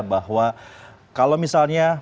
bahwa kalau misalnya